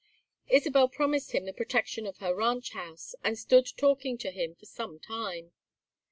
Isabel promised him the protection of her ranch house, and stood talking to him for some time.